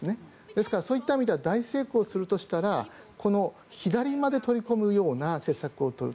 ですから、そういった意味では大成功するとしたら左まで取り込むような政策を取る。